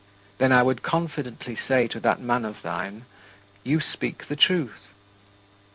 Then I would confidently say to that man of thine, "You speak the truth."